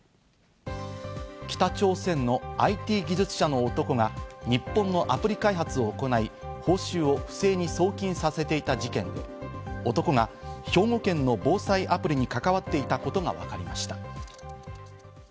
北朝鮮のＩＴ技術者の男が日本のアプリ開発を行い、報酬を不正に送金させていた事件で、男が兵庫県の防災アプリに関わっていたことがわかりました。